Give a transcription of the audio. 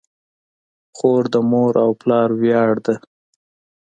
خور د مور او پلار ویاړ ده.